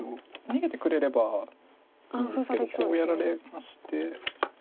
逃げてくれればいいんですけどこうやられまして。